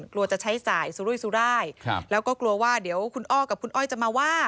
กลัวจะใช้สายสุรุยสุรายแล้วก็กลัวว่าเดี๋ยวคุณอ้อกับคุณอ้อยจะมาว่า